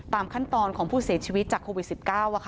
ขั้นตอนของผู้เสียชีวิตจากโควิด๑๙